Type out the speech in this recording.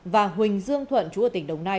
và huỳnh dương thuận chú ở tỉnh đồng nai